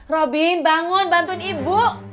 robin bangun bantuin ibu